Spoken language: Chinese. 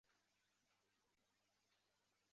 几乎快晕了过去